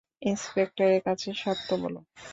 ইন্সপেক্টরের কাছে সত্য বল।